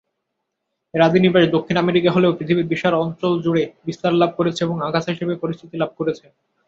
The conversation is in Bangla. এর আদি নিবাস দক্ষিণ আমেরিকা হলেও পৃথিবীর বিশাল অঞ্চল জুড়ে বিস্তার লাভ করেছে এবং আগাছা হিসেবে পরিচিতি লাভ করেছে।